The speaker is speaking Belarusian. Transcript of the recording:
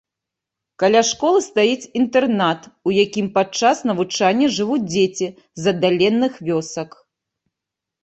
Каля школы стаіць інтэрнат, у якім падчас навучання жывуць дзеці з аддаленых вёсак.